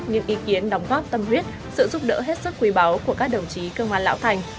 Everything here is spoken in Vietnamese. những ý kiến đóng góp tâm huyết sự giúp đỡ hết sức quý báu của các đồng chí công an lão thành